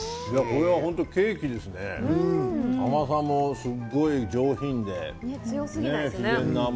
これは本当ケーキですね、甘さも上品で。